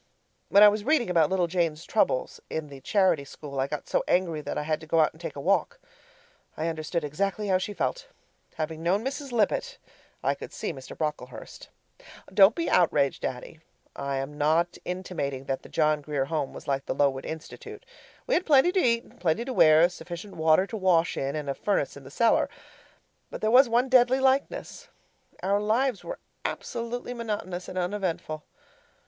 When I was reading about little Jane's troubles in the charity school, I got so angry that I had to go out and take a walk. I understood exactly how she felt. Having known Mrs. Lippett, I could see Mr. Brocklehurst. Don't be outraged, Daddy. I am not intimating that the John Grier Home was like the Lowood Institute. We had plenty to eat and plenty to wear, sufficient water to wash in, and a furnace in the cellar. But there was one deadly likeness. Our lives were absolutely monotonous and uneventful.